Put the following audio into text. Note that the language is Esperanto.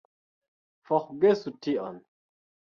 Forgesu tion!